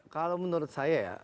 kalau menurut saya ya